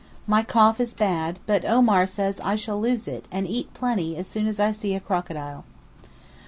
"My cough is bad; but Omar says I shall lose it and 'eat plenty' as soon as I see a crocodile."